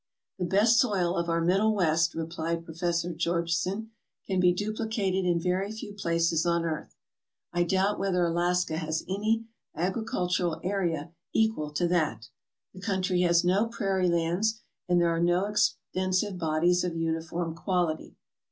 "The best soil of our Middle West," replied Professor Georgeson, "can be duplicated in very few places on earth. I doubt whether Alaska has any agricultural area equal to that. The country has no prairie lands, and there are no extensive bodies of uniform quality.